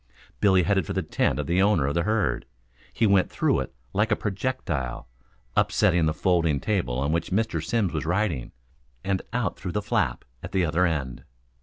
Billy headed for the tent of the owner of the herd. He went through it like a projectile, upsetting the folding table on which Mr. Simms was writing, and out through the flap at the other end.